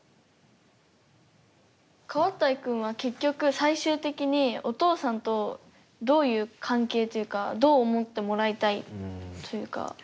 カワタイ君は結局最終的にお父さんとどういう関係というかどう思ってもらいたいというか。